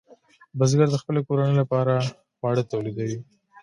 بزګر د خپلې کورنۍ لپاره خواړه تولیدوي.